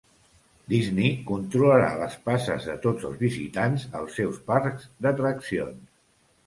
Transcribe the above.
Disney controlarà les passes de tots els visitants als seus parcs d'atraccions